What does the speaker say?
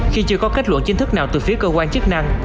khi chưa có kết luận chính thức nào từ phía cơ quan chức năng